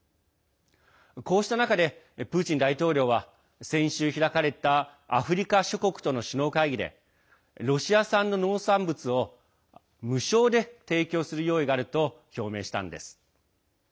こうした中で、プーチン大統領は先週開かれたアフリカ諸国との首脳会議でロシア産の農産物を無償で提供する用意があると表明したんです。